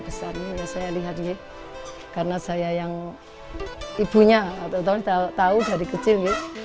besar besarnya saya lihat nih karena saya yang ibunya atau tahu dari kecil